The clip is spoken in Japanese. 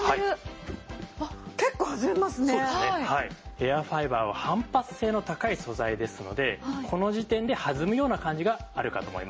エアファイバーは反発性の高い素材ですのでこの時点で弾むような感じがあるかと思います。